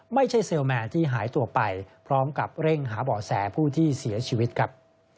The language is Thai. เซลแมนที่หายตัวไปพร้อมกับเร่งหาเบาะแสผู้ที่เสียชีวิตครับ